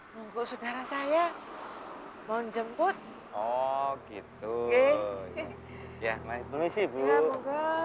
nunggu saudara saya mau jemput oh gitu ya ya ya ya ya ya ya